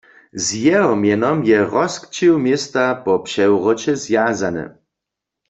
Z jeho mjenom je rozkćěw města po přewróće zwjazany.